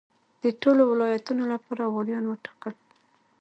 د ټولو ولایتونو لپاره والیان وټاکل.